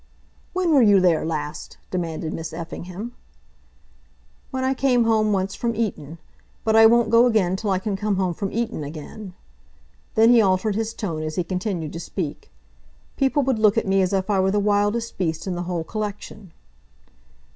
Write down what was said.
"When were you there last?" demanded Miss Effingham. "When I came home once from Eton. But I won't go again till I can come home from Eton again." Then he altered his tone as he continued to speak. "People would look at me as if I were the wildest beast in the whole collection."